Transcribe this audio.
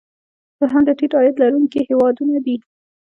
دوهم د ټیټ عاید لرونکي هیوادونه دي.